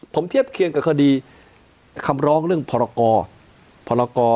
ผมเทียบเคียงกับคดีคำร้องเรื่องพรกรพลก